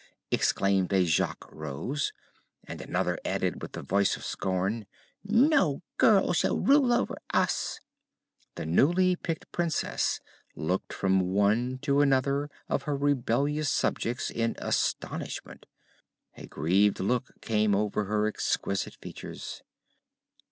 exclaimed a Jacque Rose, and another added with a voice of scorn: "No girl shall rule over us!" The newly picked Princess looked from one to another of her rebellious subjects in astonishment. A grieved look came over her exquisite features.